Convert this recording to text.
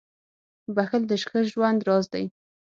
• بښل د ښه ژوند راز دی.